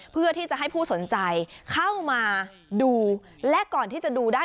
เพื่อที่จะให้ผู้สนใจเข้ามาดูและก่อนที่จะดูได้